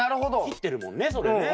切ってるもんねそれね。